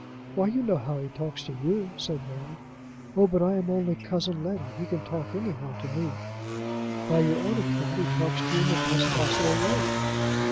"Why, you know how he talks to you," said Mary. "Oh, but I am only Cousin Letty! He can talk anyhow to me." "By your own account he talks to you in the best possible way."